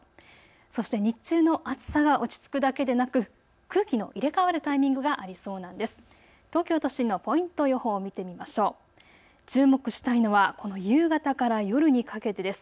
そして日中の暑さが落ち着くだけでなく空気の入れ代わるタイミングがありそうなんです。